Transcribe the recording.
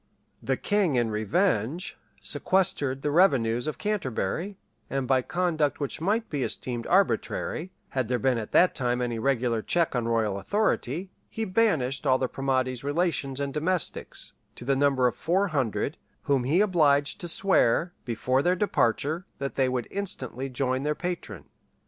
The king in revenge, sequestered the revenues of Canterbury; and by conduct which might be esteemed arbitrary, had there been at that time any regular check on royal authority, he banished all the primate's relations and domestics, to the number of four hundred, whom he obliged to swear, before their departure, that they would instantly join their patron.